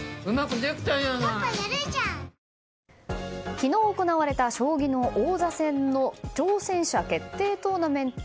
昨日、行われた将棋の王座戦の挑戦者決定トーナメント。